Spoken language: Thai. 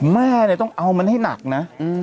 แม่เนี่ยต้องเอามันให้หนักนะ